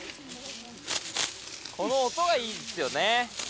この音がいいっすよね。